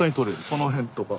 この辺とか。